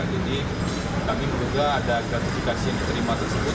jadi kami berhubungan ada gratifikasi yang diterima tersebut